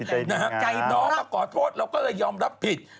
ใจน้องมาขอโทษเราก็เลยยอมรับผิด